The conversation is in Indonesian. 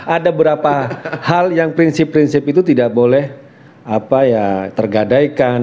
ada beberapa hal yang prinsip prinsip itu tidak boleh tergadaikan